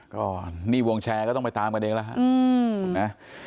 ก็นี่วงแชร์ก็ต้องไปตามกันเองแล้วฮะ